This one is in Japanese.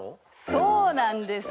そうなんです。